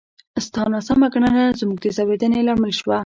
ستا ناسمه کړنه زموږ د ځورېدنې لامل شوه!